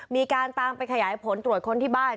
มีการตามไปขยายผลตรวจค้นที่บ้าน